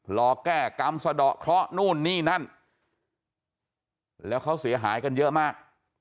รอแก้กรรมสะดอกเคราะห์นู่นนี่นั่นแล้วเขาเสียหายกันเยอะมาก